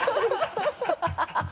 ハハハ